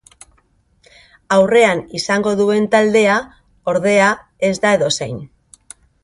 Aurrean izango duen taldea, ordea, ez da edozein.